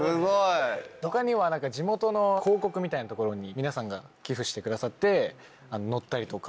他には地元の広告みたいな所に皆さんが寄付してくださって載ったりとか。